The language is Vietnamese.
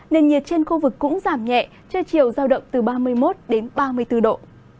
nền nhiệt trên khu vực cũng giảm nhẹ chưa chiều giao động từ ba mươi một đến ba mươi bốn độ